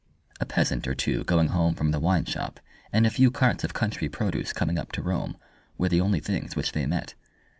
A peasant or two going home from the wine shop, and a few carts of country produce coming up to Rome, were the only things which they met.